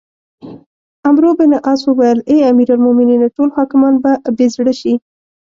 عمروبن عاص وویل: اې امیرالمؤمنینه! ټول حاکمان به بې زړه شي.